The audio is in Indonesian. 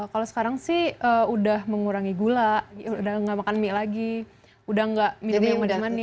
kalau sekarang sih udah mengurangi gula udah nggak makan mie lagi udah nggak minum yang manis manis